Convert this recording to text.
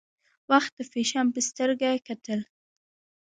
وخت د فیشن په سترګه کتل.